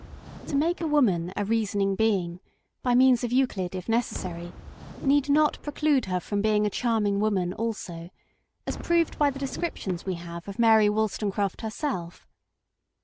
To make a woman a reasoning being, by means of Euclid if necessary, need not preclude her from being a charming woman also, as proved by the descriptions we have of Mary Wollstonecraft herself.